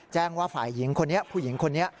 แจ้งว่าฝ่ายหญิงคนนี้ผู้หญิงคนนี้